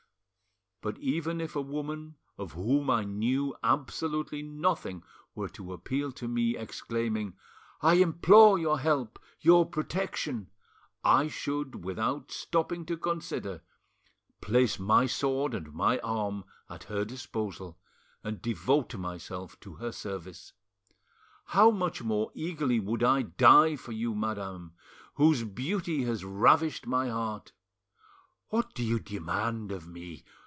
But even if a woman of whom I knew absolutely nothing were to appeal to me, exclaiming, 'I implore your help, your protection!' I should, without stopping to consider, place my sword and my arm at her disposal, and devote myself to her service. How much more eagerly would I die for you, madam, whose beauty has ravished my heart! What do you demand of me?